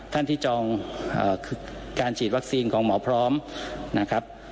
ท่านที่จองคือการฉีดวัคซีนของหมอพร้อมนะครับ